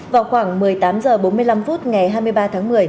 vào khoảng một mươi tám h bốn mươi năm phút ngày hai mươi ba tháng một mươi